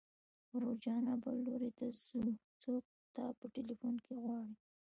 ورور جانه بل لوري ته څوک تا په ټليفون کې غواړي.